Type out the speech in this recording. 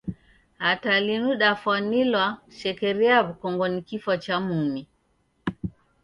Hata linu dafwanilwa shekeria ya w'ukongo ni kifwa cha mumi.